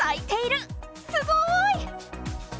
すごい！